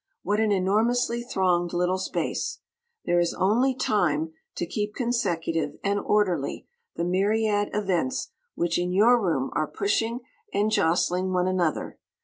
What an enormously thronged little Space! There is only Time, to keep consecutive and orderly the myriad events which in your room are pushing and jostling one another!